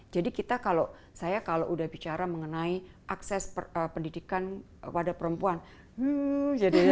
jadi kita kalau saya kalau sudah bicara mengenai akses pendidikan kepada perempuan hmm jadinya